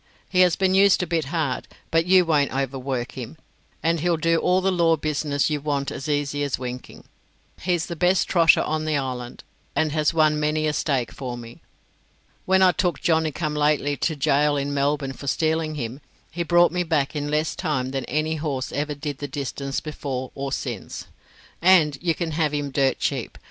He has been used a bit hard, but you won't overwork him, and he'll do all the law business you want as easy as winking. He's the best trotter on the island, and has won many a stake for me. When I took Johnny come lately to gaol in Melbourne for stealing him, he brought me back in less time than any horse ever did the distance before or since. And you can have him dirt cheap.